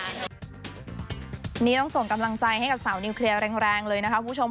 นี่ต้องส่งกำลังใจให้กับสาวนิวเคลียร์แรงเลยนะคะคุณผู้ชม